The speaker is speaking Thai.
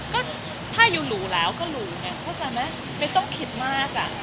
ก็ถ้าอยู่หรูแล้วก็หรูไงเข้าใจไหมไม่ต้องคิดมากอ่ะ